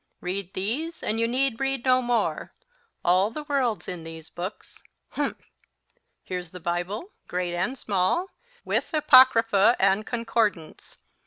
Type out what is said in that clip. Read these, and you need read no more: all the world's in these books humph! Here's the Bible, great and small, with apocrypha and concordance!